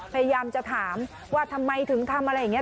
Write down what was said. พยายามจะถามว่าทำไมถึงทำอะไรอย่างนี้